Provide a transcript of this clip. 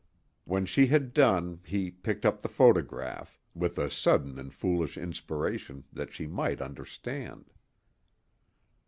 When she had done he picked up the photograph, with a sudden and foolish inspiration that she might understand.